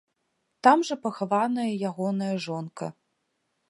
Там жа пахаваная ягоная жонка.